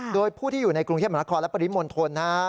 โดยผู้ที่อยู่ในกรุงเทพมหาคอและปริมนธนธรรมดา